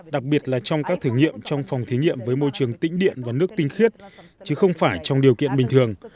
đặc biệt là trong các thử nghiệm trong phòng thí nghiệm với môi trường tĩnh điện và nước tinh khiết chứ không phải trong điều kiện bình thường